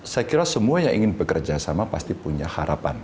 saya kira semua yang ingin bekerjasama pasti punya harapan